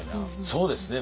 そうですね。